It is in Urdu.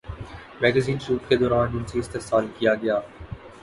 میگزین شوٹ کے دوران جنسی استحصال کیا گیا